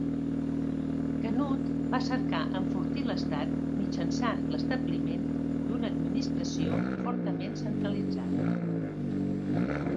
Canut va cercar enfortir l'estat mitjançant l'establiment d'una administració fortament centralitzada.